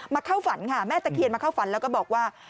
เข้าฝันค่ะแม่ตะเคียนมาเข้าฝันแล้วก็บอกว่า